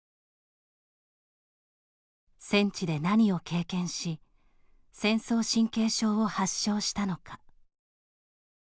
戦地で何を経験し戦争神経症を発症したのか。